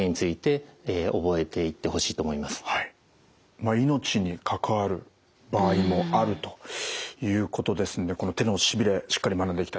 まあ命に関わる場合もあるということですんでこの手のしびれしっかり学んでいきたいですね。